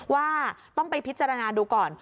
ว่าต้องไปพิจารณาดูก่อน